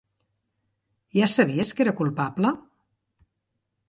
Ja sabies que era culpable?